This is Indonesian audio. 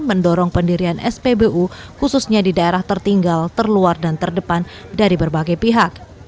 mendorong pendirian spbu khususnya di daerah tertinggal terluar dan terdepan dari berbagai pihak